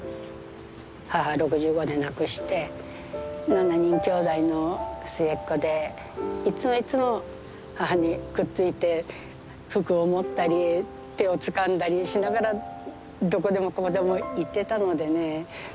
母６５で亡くして７人きょうだいの末っ子でいつもいつも母にくっついて服を持ったり手をつかんだりしながらどこでもここでも行ってたのでね